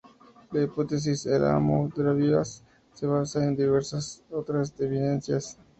La hipótesis elamo-drávidas se basa en diversas otras evidencias.